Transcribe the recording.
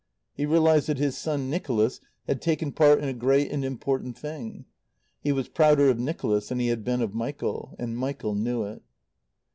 He realized that his son Nicholas had taken part in a great and important thing. He was prouder of Nicholas than he had been of Michael. And Michael knew it.